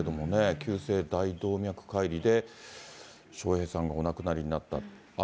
急性大動脈解離で、笑瓶さんがお亡くなりになった。